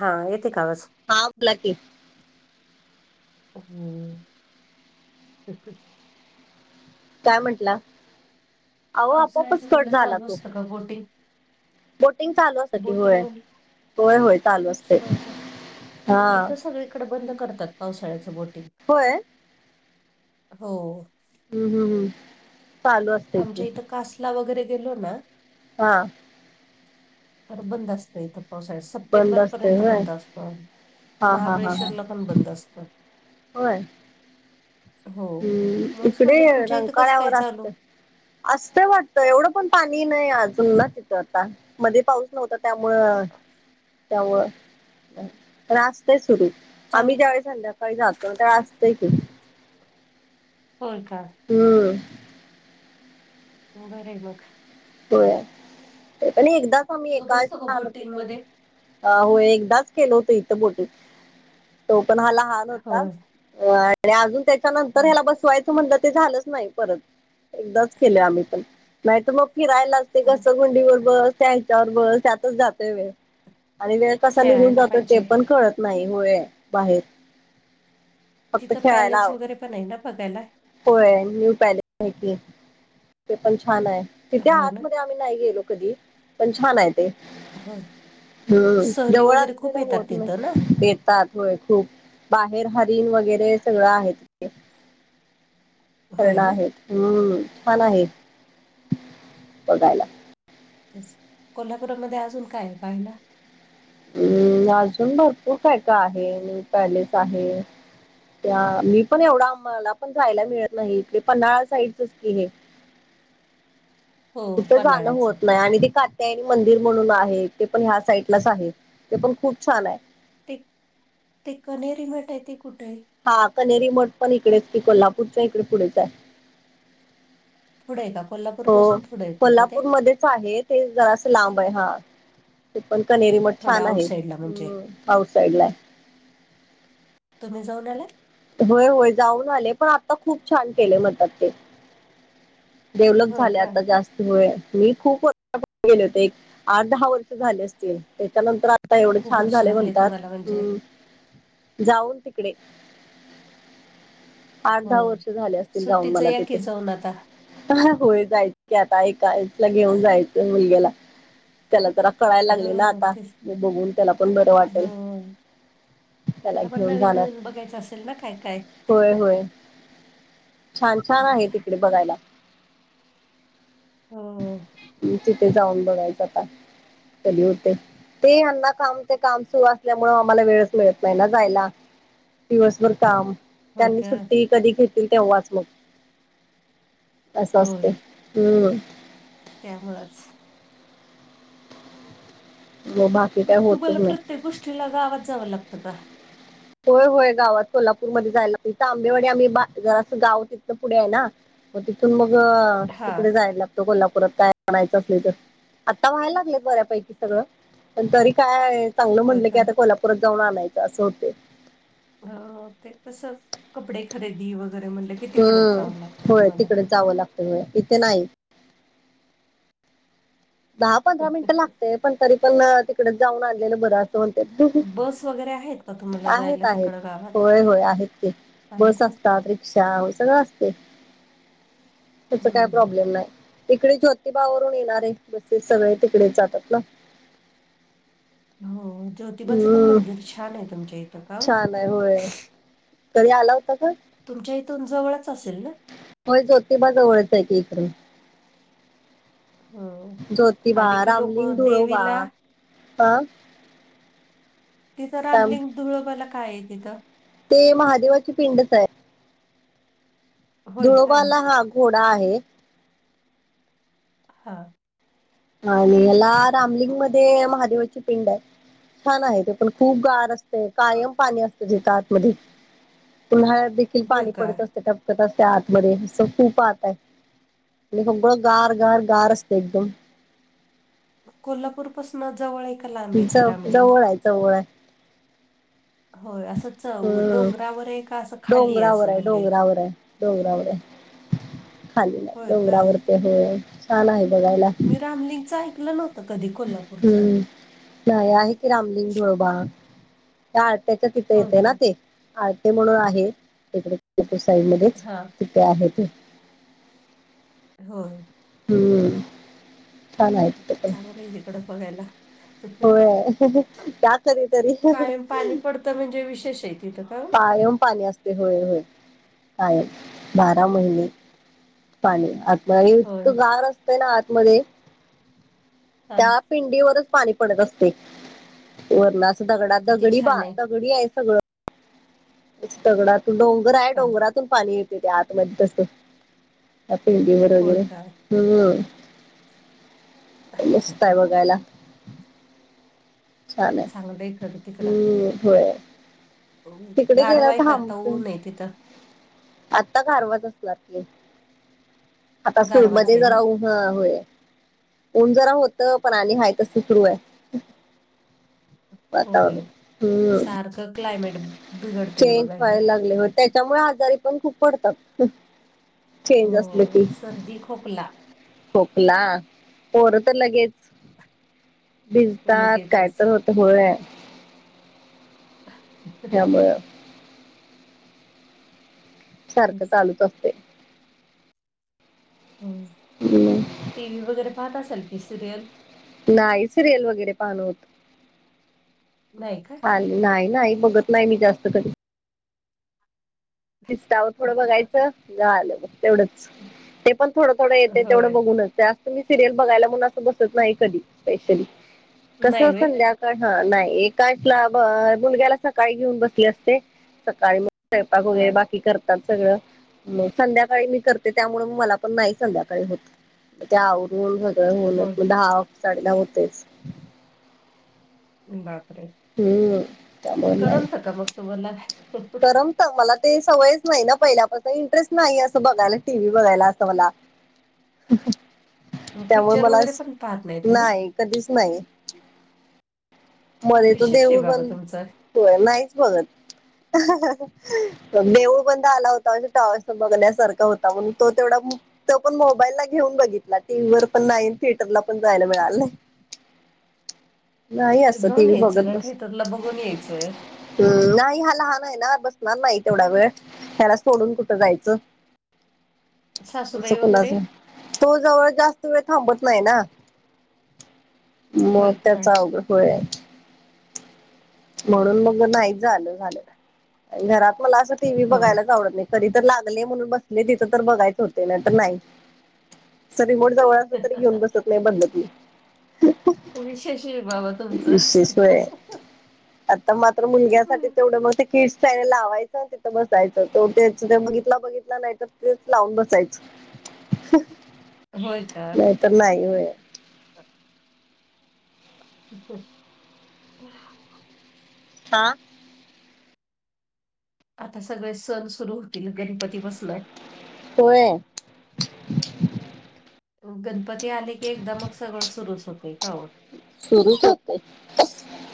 हा येते कावच हाव ला के ह तेक काय म्हटलं आहो आपोआपच पावसाळ्याचं कट म्हणलं झाला चालू तो असतं का बोटिंग बोटिंग चालू असते की बोटिंग होय मध्ये होय होय चालू असते होय का हा इथं सगळी इकडे बंद करतात पावसाळ्याचं बोटिंग होय हो हम् हम् हम आमच्या इथं कासला वगैरे गेलो ना हा तर बंद असतं इथं पावसाळ बंद सप्टेंबर असते पर्यंत होय बंद असतो हा हा हा हा महाबळेश्वरला पण बंद असतं होय हो हम्म म्हणूनच इकडे म्हटलं तुमच्या इथं कसं काय रंकार्यावर असत चालू असतं वाटत एवढं पण पाणी नाही अजून ना तिथं आता मध्ये पाऊस नव्हत त्यामु त्यामु रास्त सुरू आम्ही चांगलं ज्यावेळी संध्याकाळी जातो त्यावे असतंय की होर का हम्म ह नोडरे मग होया ते पण एकदाच आम्ही तो एकाच बसतो का छान होतो बोटिंग ते मध्ये अ हो एकदाच केल होत इथं बोटीत तो पण हा लहान होता होय अ आणि अजून त्याच्या नंतर हा. ह्याला बसवायचं म्हणलं ते झालंच नाही परत एकदाच केले आम्ही पण माह तर मग फिरायला असते कसं गुंडीवर बस त्याच्यावर ब त्यातच जातोय वेळ आणि वेळ कसा निघून खेळायला जातोय ते पाहिजे पण कळत नाही होय बाहेर फक्त तिथं खेळायला पॅलेस वगैरे पण आहे ना बघायला होय न्यू पॅलेस आहे ते पण छान आहे तिथे हो ना हातमध्ये मी नाही गेलो कधी पण छान आहेत हो हम्म सहली जवळ वगैरे असते खूप ना येतात होत नाही, तिथं ना तेच तर. खूप बाहेर हरीण वगैरे सगळं आहेत. होय पण ना आहेत हम्म छान आहेत. बगायला. तेच कोल्हापूरमध्ये अजून काय हाय पाहायला. हम्म अजून भरपूर काय का आहे न्यू पॅलेस आहे. त्या मी पण एवढा आम्हाला पण जायला मिळत नाही इथ पन्हाळा साईडचच की हे. हो कुठं जाण पन्हाळ्याचं होत नाही आणि ते का त्या आणि मंदिर म्हणून आहे ते पण ह्या साईडलाच आहे ते पण खूप छान आहे. ते ते कनेरी मट आहे ते कुठे हाय. हा कनेरी मठ पण इकडेच की कोल्हापूरच्या इकडे पुढेच आहे. पुढं आहे का कोल्हा हो कोल्हापूरमध्येच आहे ते जरास लांब आहे हा. ते पण कनेरी मठ थोड्या छान आउटसाईडला म्हणजे आहेत् आउटसाईड ला. तुम्ही जाऊन आलाय. होय होय जाऊन आले पण आता खूप छान केले म्हणतात ते. डेव्हलप होय झाले का आता जास्त मी खूप वर्ष पूर्वी गेले होते एक आठ दहा वर्ष झाले असतील त्याच्यानंतर आता एवढे खूप छान वर्ष झाले म्हणतात तुम्हाला म्हणजे हम्.. जाऊन तिकडे आठ दहा वर्ष झाले असतील जाऊन मला तिथे. पण आता होय जायचं आता एकाला घेऊन आह, जायचं मुलग्याला. त्याला जरा कळायला लागले ना हो आता तेच म बघून त्याला पण बरं हो वाटेल. त्याला पण घेऊन नवीन जाणार नवीन बघायचं असेल ना काय काय, होय होय छान छान आहे तिकडे बघायला. हम. तिथे जाऊन बघायचं आता कधी होते. ते यांना काम ते काम सुरू असल्यामु आम्हाला वेळच मिळत नाही ना जायला. दिवसभर काम. होय त्यांनी का सुट्टी कधी घेतील तेव्हाच मग असं असते. हम्म. तेव्हाच. लय बा मग तु मला प्रत्येक गोष्टीला गावात जावं लागतं का. होय होय गावात कोल्हापूर मध्ये जायला लागतंय हीथं आंबेवाडी आम्ही बा जरा असं गाव तिथलं पुढे आहे ना. मग तिथून मग हा तिकडे जायला लागतो कोल्हापुरात काय आणायच असल तर. आता व्हायला लागलेत बऱ्यापैकी सगळं पण तरी काय चांगलं होय म्हटलं की काय आता कोल्हापुात जाऊ आणायचं असं होते. अ ते कंस कपडे खरेदी वगैरे म्हणले कितीकडच हम्म जावं लागत होय तुम्हाला. तिकडे जावं लागत होय इथे नाही. दहा पंधरा मिनिटं लागते पण तरी पण तिकडेच जाऊन आणलेलं बरं असतंय. ण द बस वगैरे आहेत का तुम्हाला जायला आहेत आहेत तिकडं गावात? होय होय आहेत की. बस आहेत ना असतात रिक्षा सगळं असते तीत काय हम्म हम्म. प्रॉब्लेम नाही. तिकडे ज्योतिबावरून येणार आहे बसेस सगळे तिकडेच जातात ना. हो ज्योतिबाचं पण हम्म मंदिर छान आहे तुमच्या इथे. छान आहे होय तरी तुम्ही आला होता काय. तुमच्या इथून जवळच असेल ना. होय जोतिबाज जवळच आहे की इक्रडून. हो. ज्योतिबा आली की लोक रामलिंग धुळोबा देवीला अं. तिथं रामलिंग धुळ बला काय तिथं ते महादेवाची पिंडच आहे होय का? धुळबाला हा घोडा आहे हा आणि याला रामलिंग मध्ये महादेवाची पिंड आहे छान आहे ते पण खूप गार अस अ, कायम पाणी असत तेेत आतमध्ये उन्हाळ्यात देखील होय पाणी का? पडत असतेप असते आतमध्ये खूप आहत आहे म्हणजे सगळं गार गार गार असतं एकदम कोल्हापूरपसून जवळ एक ज जवळ आहे जवळ आहे होय असं च हम्म डोंगरावर आहे का असं खाली आहे असं म्हणजे होर डोंगरावर खाली नाही होय का डोंगरावर ते हो छान आहे बघायला फॅमलीच ऐकलं नव्हतं कधी कोल्हापूरच हम्म. नाही आहे की रामलिंग धोळबा या आरत्याच्या त इिथं होय येते का ना ते आरटे म्हणून आहे तकडेप साईड मध्येच हा तिथे आहे ते हो हम्म चाला आहे तिथे पण चांगलं आहे इकडं बघायला होय त्या कधीतरी कायम पाणी पडतं म्हणजे विशेष आहे तिथं का पाय येन पाणी असत होय होय काय बारा महिने पाणी आणि होय इतकं गार असतंय ना आतमध्येध्ये हा त्या पिंडीवरच पाणी पडत असते वरला दगडा किती दगडी छान बा दगडी आहे सगळं दगडातून डोंगर आहे हा डोंगरातून पाणी येते ते आतमध्ये तस अपे होय बरगैर का हम् मस्त आहे बघायला छान चांगलं खरं आहे हम्म होय तिकडे गारवायच आताऊनय तिथं आता कारारवाच असणार आता गारवाच आहे सुूरमध्येध्ये ज ना राऊू हा हो ऊन जरा होतं पण आणि हाय तस सुरू आहे वातावरण होय हम्म सारखं क्लायमेट बिघडतंय चेंज बघा हे व्हायला लागले त्याच्यामुळे आजारी पण खूप पडतात चेंज असले त हो सर्दी खोकला खोकला पोर तर लगेच भिजतात काय लगेचच तर होत होय हा हा हे. त्यामुळं सारखं चालू च असते. हम. हम्म. टी व्ही वगैरे पाहत असेल की सिरियल. नाही सिरियल वगैरे पाहण होत. नाही का. नाही नाही बघत नाही मी जास्त कधी. इन्स्टावर थोडं बघायचं जाल तेवढंच. ते पण थोडं थोडं येते तेवढं होय. बघूनच त्या. तुम्ही सिरियल बघायला अस बसत नाही कधी स्पेशली कस. नाही व्हय? हा नाही एकाचला ब मुलग्याला सकाळी घेऊन बसले असते सकाळी मग. वगैरे हां. बाकी करतात सगळं संध्याकाळी मी करते त्यामुळे मला पण नाही संध्याकाळी होत.. ग ते आवरून सगळं होय. होऊन दहा साडे दहा होतेच. बापरे, हम्म. त्यामुळे नाही करमत का मग तुम्हाला. मला ते सवयच नाही ना, पहिल्यापास इंटरेस्ट नाही असं बघायला टीव्ही बघायला असं मला. त्यामुळे पिक्चर मला वगैरे पण पाहत तुम्ही? नाही कधीच नाही. [unintelligible] मध्ये तो विशेष आहे देऊळ बाबा बंद तुमचं. नाहीच बघत. देऊळ बंद आला होता म्हणजे, टॉवर्स बघण्यासारखा होता म्हणून तो तेवढा. तो पण मोबाईल ला घेऊन बघितला. टीव्ही वर पण नाही थिएटरला पण जायला मिळालं नाही. नाही. असं जौऊन टीव्ही यायचं ना, थिएटरला बघून यायचंय. हम. नाही हा लहान आहे ना, बसणार नाही तेवढा वेळ ह्याला सोडून कुठं जायचं. अस सासूबाई वगैरे? कुणाचं, तो जवळ जास्त वेळ थांबत नाही ना. मग होय का? त्याच अवघड होय. म्हणून मग नाहीच झालं झालं, घरात मला असं टीव्ही होय. बघायलाच आवडत नाही. कधी तर लागले म्हणून बसले, तिथं तर बघायच होते ना तर नाही. असं रिमोट जवळ असलं तरी, घेऊन बसत नाही बदलत नाही. विशेष आहे बाबा नाही तुमचं. विशेष होय आता मात्र मुलग्यासाठी तेवढं मग ते, किट्स चॅनल लावायचं तिथं बसायचं तेवढ त्याचं तो बघितला बघितला. नाही तर तेच लावून बसायचं. होय का, नाही तर नाही हो. [unintelligible] [unintelligible] हा. आता सगळे सण सुरू होतील, गणपती बसलाय. होय. गणपती आले की, एकदा मग सगळं सुरुच होतंय का ओ. सुरूच होते.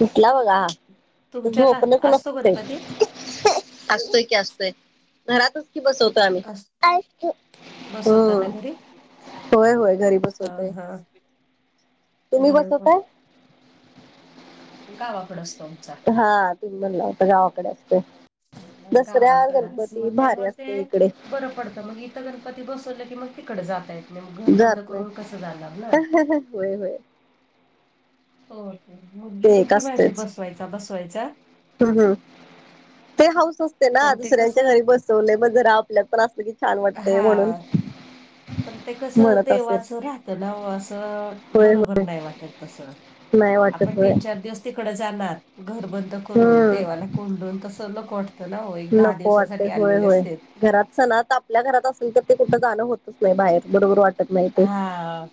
उटला बघा हा तर तुमच्यात झोपणच आ- असतो नसतंय. गणपती असतोय की असतोय घरातच. बसवतो आम्ही अस- बसवता ना हम्म. घरी होय होय घरी हा बसवतोय हा तुम्ही बरोबर बसवताय. [inaudible] गावाकडे असतो आमचा हा तुम्ही म्हणला होता गावाकडे असतोय. गावाकडचं मग त्यामुळे असते ते, इकडे बर पडत मग इथं गण पती बसवले की मग तिकडे जाता येत नाही, मग घर बंद करून कसं जाणार ना. ह होय होय. हो मुलगी ते एक म्हणती, माझी बसवायचा बसवायचा. हम्म हम्म.. ते हाऊस असते ना, पण ते दुसऱ्यांच्या कसं घरी बसवलय मग जरा आपल्यात पण असलं की, छान वाटतंय हा म्हणून, पण ते कसं म्हणत असेल देवाचं राहतं ना, अहो असं होय होय बरोबर नाही वाटत तसं. नाही वाटत व्हयं. तिकड जाणार घर बंद करून, हम्म देवाला कोंडून तसं नको वाटत. नको वाटत होय होय. घरात सणात आपण, आपल्या घरात असल तर ते, कुठं जाणं होतच नाही बाहेर बरोबर वाट हा,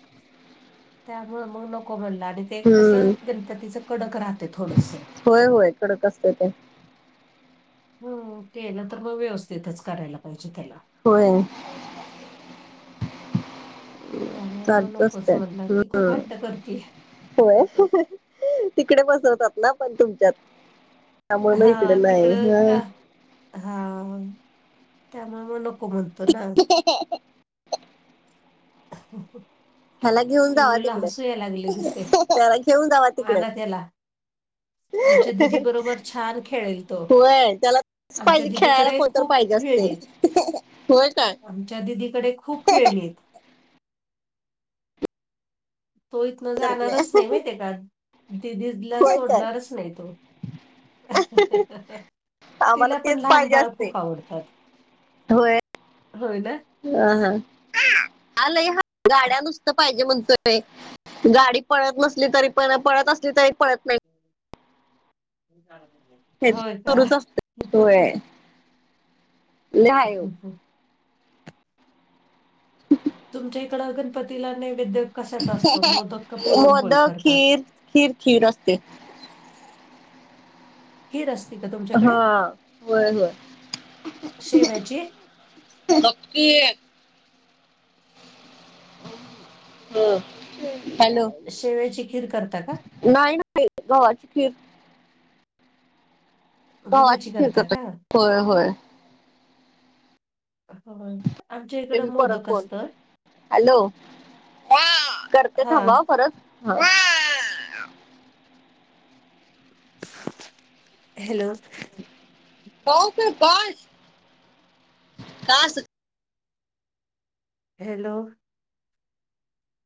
त्यांमुळे मग नको म्हणला आणि ते हम्म कसं, गणपतीच कडक राहतय थोडंसं. होय होय कडक असते ते हम्म.. केल तर मग व्यवस्थितच करायला पाहिजे त्याला, होय. त्यामुळे मग चालत नकोच असतय म्हणलं ती खूप हम्म हट्ट करते होय. तिकडे बसवतात ना पण तुमच्यात त्यामुळे हा इकडे तिकडं का नाही. हा त्यामुळे मग नको म्हणतो ना हे हे हो घेऊन जावा पिलूला तिकडे हसू यायलागलाय दिसते त्याला घेऊन जावा तिकडे पहाना त्याला आमच्या दिदी बरोबर छान खेळेल तो होय त्याला आमच्या पाहिजे खेळायला दिदीकडे कोणतर खूप पाहिजे खेळणी असते आहेत, होय काय? आमच्या दिदीकडे खूप खेळणी आहेत. तो इथनं जाणारच नाही माहितीे का? होय काय आम्हाला तिला पण तेच लहान पाहिजे बाळ असते. खूप आवडतात. होय होय ना अ हा आलय हा गाड्या नुसतं पाहिजे म्हणतोय गाडी पळत नसली तरी पण पळत असली तरी पळत नाही हे होय का. सुरूच असते. होय. लय हाय ह्यो तुमच्या इकड गणपतीला नेवैद्य कशाच असतो मोदक का पुरणपोळी मोदक करतात. खीर खीर खीर असते खीर असते का? तुमच्याकडे? हा होय होय शेवयाची गप्प की हम् ह हॅलो शेवयाची खीर करता का नाही नाही गवा्हाची खीर गव्हाची खीर करता का? करतोय होय होय हो ते मी परत फन हॅलो करते थांब हां. परत ह हॅलो ओके बाय का असं हॅलो